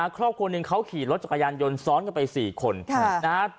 ครอบครัวหนึ่งเขาขี่รถจักรยานยนต์ซ้อนกันไป๔คนนะฮะ